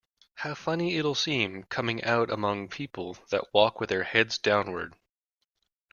How funny it’ll seem coming out among people that walk with their heads downward!